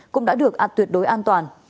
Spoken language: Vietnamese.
cũng đã được ạt tuyệt đối an toàn